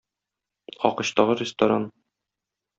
Агачтагы ресторан